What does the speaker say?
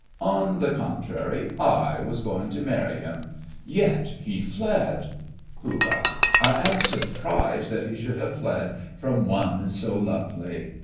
On the contrary, I was going to marry him—yet he fled! POOH. I am surprised that he should have fled from one so lovely!